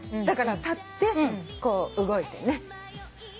だから立って動いてね。